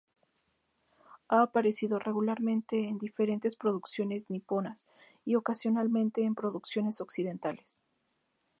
Ha aparecido regularmente en diferentes producciones niponas y ocasionalmente en producciones occidentales.